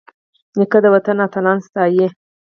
نیکه د وطن اتلان ستايي.